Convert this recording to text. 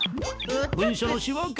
文書の仕分け。